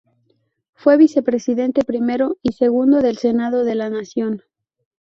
Fue Vicepresidente Primero y Segundo del Senado de la Nación.